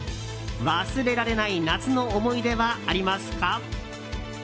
忘れられない夏の思い出はありますか？